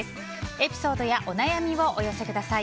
エピソードやお悩みをお寄せください。